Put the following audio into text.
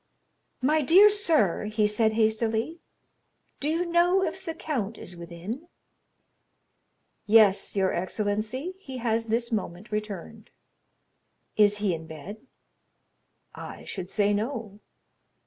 "My dear sir," he said, hastily, "do you know if the count is within?" "Yes, your excellency; he has this moment returned." "Is he in bed?" "I should say no."